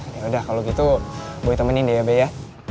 yaudah kalo gitu boy temenin deh ya be ya